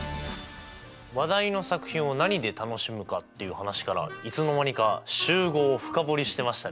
話題の作品を何で楽しむか？っていう話からいつの間にか集合を深掘りしてましたね。